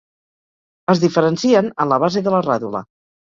Es diferencien en la base de la ràdula.